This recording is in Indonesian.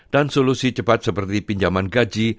solusi cepat seperti pinjaman gaji